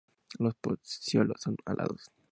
Los pecíolos son alados.